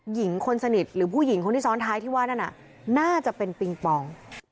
หญิงคนสนิทหรือผู้หญิงคนที่ซ้อนท้ายที่ว่านั่นน่ะน่าจะเป็นปิงปอง